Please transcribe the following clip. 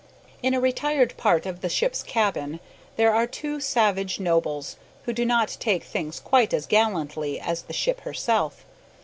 In a retired part of the ship's cabin there are two savage nobles who do not take things quite as gallantly as the ship herself.